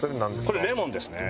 これレモンですね。